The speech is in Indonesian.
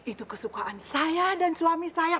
itu kesukaan saya dan suami saya